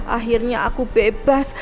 akhirnya aku bebas